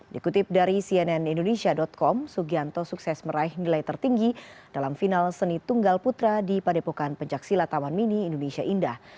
di kutip dari cnnindonesia com sugianto sukses meraih nilai tertinggi dalam final seni tunggal putra di padepokan pencak silat taman mini indonesia indah